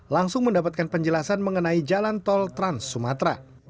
langsung mendapatkan penjelasan mengenai jalan tol trans sumatera